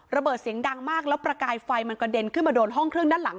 ระเบิดเสียงดังมากแล้วประกายไฟมันกระเด็นขึ้นมาโดนห้องเครื่องด้านหลัง